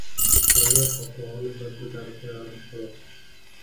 Choynak qopqog‘ini bir ko‘tarib qo‘yardi, xolos.